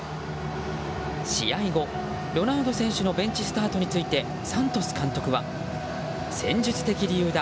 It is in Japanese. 試合後、ロナウド選手のベンチスタートについてサントス監督は戦術的理由だ！